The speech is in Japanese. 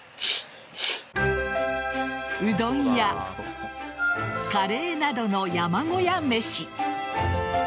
うどんやカレーなどの山小屋めし。